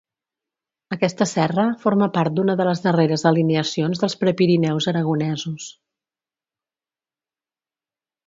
Aquesta serra forma part d'una de les darreres alineacions dels Prepirineus aragonesos.